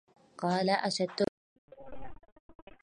قالت أشدت بكل ما أخفيته